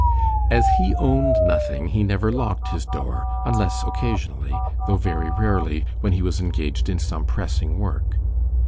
As he owned nothing, he never locked his door, unless occasionally, though very rarely, when he was engaged in some pressing work.